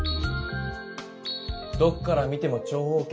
どっから見ても長方形。